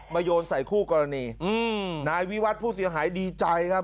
โยนใส่คู่กรณีอืมนายวิวัตรผู้เสียหายดีใจครับ